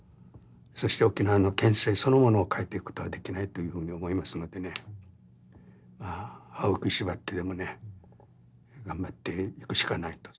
そして沖縄の県政そのものを変えていくことはできないというふうに思いますのでまあ歯を食いしばってでもね頑張っていくしかないと。